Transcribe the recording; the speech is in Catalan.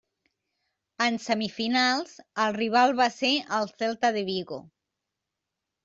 En semifinals el rival va ser el Celta De Vigo.